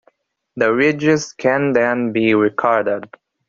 The ridges can then be recorded.